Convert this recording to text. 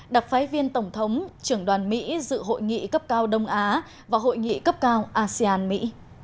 đặc phái viên tổng thống trưởng đoàn mỹ dự hội nghị cấp cao đông á và hội nghị cấp cao asean mỹ